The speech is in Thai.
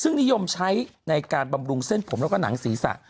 ซึ่งนิยมใช้ในการบำรุงเส้นผมแล้วก็หนังศีรษะ